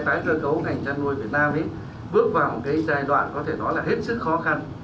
tái cơ cấu ngành chăn nuôi việt nam bước vào một cái giai đoạn có thể nói là hết sức khó khăn